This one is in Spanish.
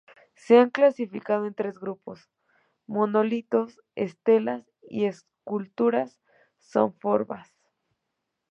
Se han clasificados en tres grupos: monolitos, estelas y esculturas zoomorfas.